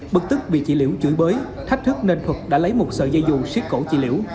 bực tức vì chị liễu chửi bới thách thức nên thuật đã lấy một sợi dây dù xiết cổ chị liễu